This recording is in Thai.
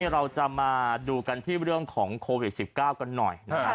เราจะมาดูกันที่เรื่องของโควิด๑๙กันหน่อยนะครับ